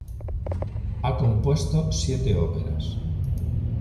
Ha compuesto siete óperas.